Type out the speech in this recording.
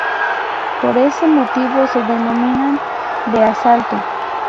Por ese motivo se denominan de asalto.